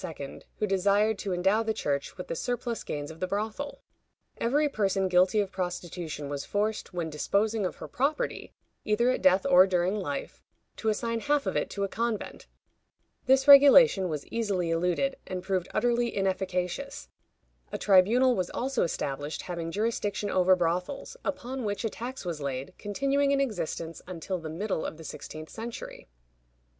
who desired to endow the Church with the surplus gains of the brothel. Every person guilty of prostitution was forced, when disposing of her property, either at death or during life, to assign half of it to a convent. This regulation was easily eluded, and proved utterly inefficacious. A tribunal was also established having jurisdiction over brothels, upon which a tax was laid, continuing in existence until the middle of the sixteenth century.